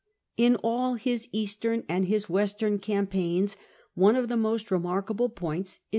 In all his Kastern and his Western campaigns, one of the most remarkable points is